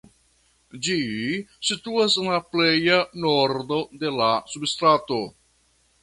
Ĝi situas en la pleja nordo de la subŝtato.